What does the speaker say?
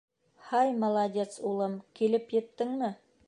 — Һай, молодец, улым, килеп еттеңме?